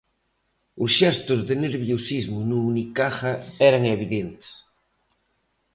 Os xestos de nerviosismo no Unicaja eran evidentes.